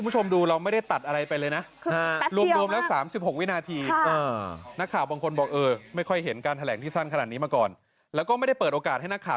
เพราะว่ายังแปดไม่เสร็จยังไม่ยุ่น